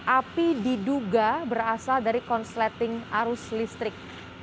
api diduga berasal dari konsleting arus listrik